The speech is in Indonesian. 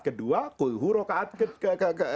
kedua kulhu roka'at kedua